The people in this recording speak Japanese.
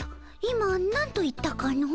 今なんと言ったかの？